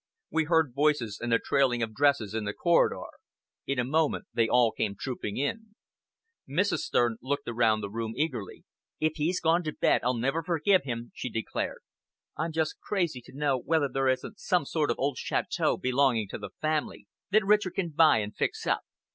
We heard voices and the trailing of dresses in the corridor. In a moment they all came trooping in. Mrs. Stern looked round the room eagerly. "If he's gone to bed I'll never forgive him," she declared. "I'm just crazy to know whether there isn't some sort of old chateau belonging to the family, that Richard can buy and fix up.